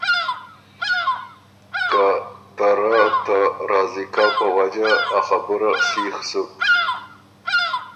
که ته رۀ ته راضی کؤ په وجه آ خبُره سیخ سُک